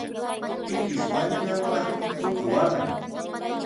Pipis wañunanpaqmi tuku waqan.